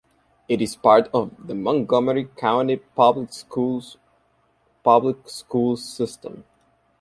It is part of the Montgomery County Public Schools public school system.